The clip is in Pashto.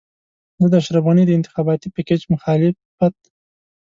زه د اشرف غني د انتخاباتي پېکج مخالفت.